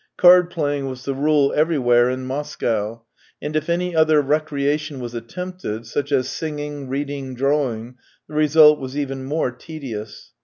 Card playing was the rule everywhere in Moscow, and if any other recreation was attempted, such as singing, reading, drawing, the result was even more tedious.